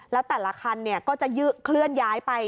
แล้วแต่ละคันก็จะเคลื่อนย้ายไป